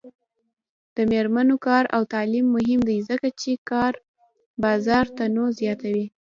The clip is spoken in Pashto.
د میرمنو کار او تعلیم مهم دی ځکه چې کار بازار تنوع زیاتوي.